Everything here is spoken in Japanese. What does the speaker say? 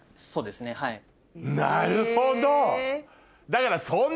そうですねはい。